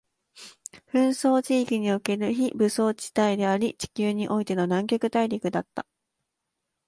紛争地域における非武装地帯であり、地球においての南極大陸だった